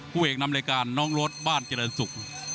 ผู้เอกนำรายการน้องรถบ้านเจริญศุกร์